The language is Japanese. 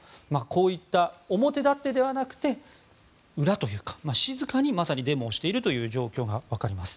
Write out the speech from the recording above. こういった表立ってではなくて裏というか静かにまさにデモをしているという状況が分かります。